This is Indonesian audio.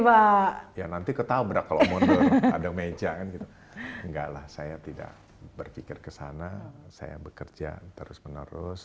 pak ya nanti ketabrak kalau mundur ada meja enggak lah saya tidak berpikir ke sana saya bekerja terus menerus